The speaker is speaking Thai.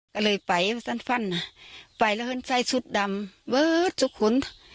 ก็เลยไปสั้นฟันอ่ะไปแล้วเขาใส่ชุดดำว้าวชุดขุน